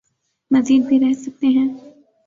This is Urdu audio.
مزید بھی رہ سکتے ہیں۔